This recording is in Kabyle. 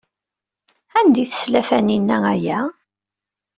Anda ay tesla Taninna aya?